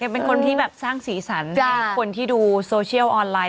เป็นคนที่แบบสร้างสีสันให้คนที่ดูโซเชียลออนไลน